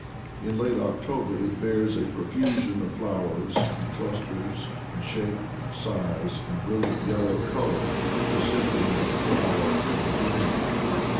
In late October it bears a profusion of flowers in clusters, in shape, size, and brilliant yellow color resem bling the flower of the broom.